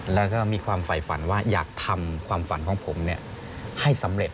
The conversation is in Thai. แล้วก็มีความฝ่ายฝันว่าอยากทำความฝันของผมให้สำเร็จ